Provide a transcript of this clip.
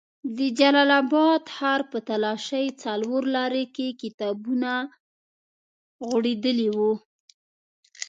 د جلال اباد ښار په تالاشۍ څلور لاري کې کتابونه غوړېدلي وو.